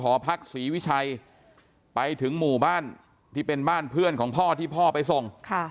หอพักศรีวิชัยไปถึงหมู่บ้านที่เป็นบ้านเพื่อนของพ่อที่พ่อไปส่ง